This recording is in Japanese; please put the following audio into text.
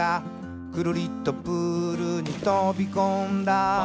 「クルリとプールにとびこんだ」